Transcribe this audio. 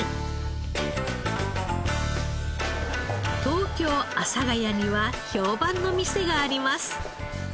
東京阿佐ヶ谷には評判の店があります。